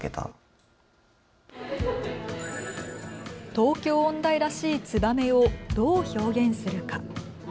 東京音大らしい「ツバメ」をどう表現するか。